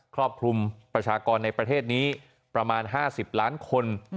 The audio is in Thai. ครอบคลุมประชากรในประเทศนี้ประมาณ๕๐ล้านคน